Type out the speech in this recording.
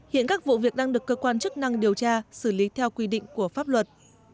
hiện các vụ việc đang được cơ quan chức năng điều tra xử lý theo quy định của pháp luật